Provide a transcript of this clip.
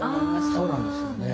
そうなんですよね。